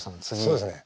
そうですね